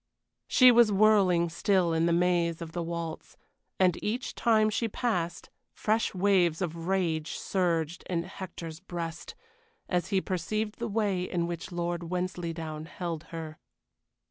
She was whirling still in the maze of the waltz, and each time she passed fresh waves of rage surged in Hector's breast, as he perceived the way in which Lord Wensleydown held her.